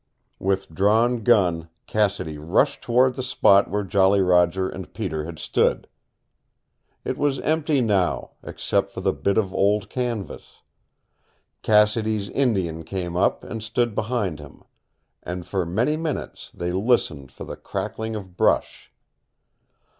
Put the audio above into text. With drawn gun Cassidy rushed toward the spot where Jolly Roger and Peter had stood. It was empty now, except for the bit of old canvas. Cassidy's Indian came up and stood behind him, and for many minutes they listened for the crackling of brush.